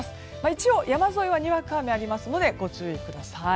一応、山沿いはにわか雨ありますのでご注意ください。